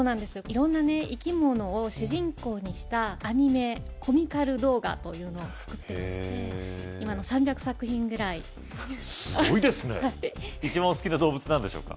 色んなね生き物を主人公にしたアニメコミカル動画というのを作ってまして今３００作品ぐらいすごいですね一番お好きな動物何でしょうか？